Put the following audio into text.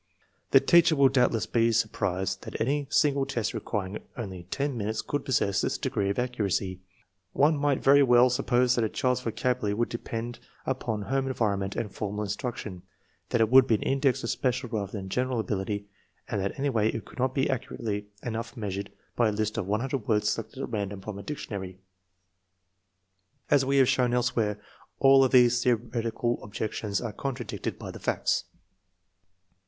The teacher will doubtless be surprised that any single test requiring only ten minutes could possess this degree of accuracy. One might very well sup pose that the child's vocabulary would depend upon home environment and formal instruction, that it would be an index of special rather than general abil ity, and that anyway it could not be accurately enough measured by a list of 100 words selected at random from the dictionary. As we have shown elsewhere, all of these theoretical objections are contradicted by the facts.